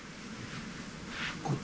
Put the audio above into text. ・こっち。